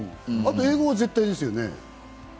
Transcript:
英語は絶対ですよね。